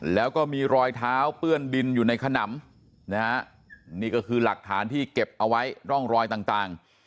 แล้วก็มีรอยเท้าเปื้อนดินอยู่ในขนำนะฮะนี่ก็คือหลักฐานที่เก็บเอาไว้ร่องรอยต่าง